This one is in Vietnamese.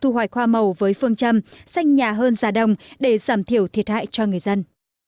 thu hoài khoa màu với phương châm xanh nhà hơn giá đồng để giảm thiểu thiệt hại cho người dân